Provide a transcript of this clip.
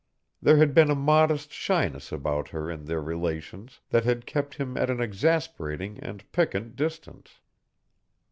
There had been a modest shyness about her in their relations that had kept him at an exasperating and piquant distance.